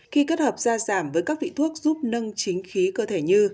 khi kết hợp da giảm với các vị thuốc giúp nâng chính khí cơ thể như